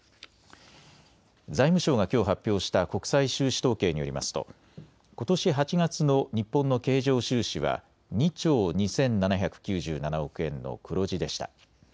財務省がきょう発表した国際収支統計によりますとことし８月の日本の経常収支は２兆２７９７億円の黒字でした。